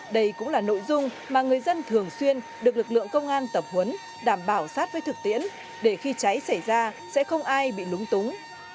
đây cũng là nội dung mà người dân thường xuyên được lực lượng công an tập huấn đảm bảo sát với thực tiễn để khi cháy xảy ra sẽ không ai bị lúng túng